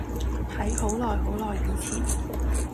喺好耐好耐以前